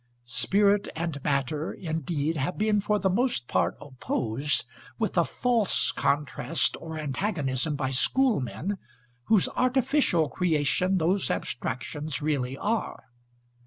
Spirit and matter, indeed, have been for the most part opposed, with a false contrast or antagonism by schoolmen, whose artificial creation those abstractions really are.